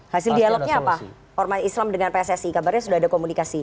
hasil dialognya apa ormas islam dengan pssi kabarnya sudah ada komunikasi